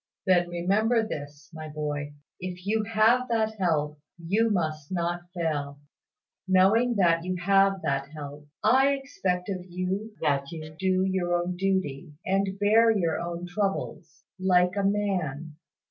"Then remember this, my boy. If you have that help, you must not fail. Knowing that you have that help, I expect of you that you do your own duty, and bear your own troubles, like a man.